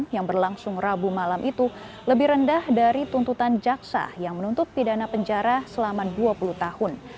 yang berlangsung rabu malam itu lebih rendah dari tuntutan jaksa yang menuntut pidana penjara selama dua puluh tahun